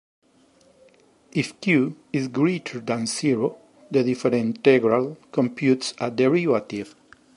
If "q" is greater than zero, the differintegral computes a derivative.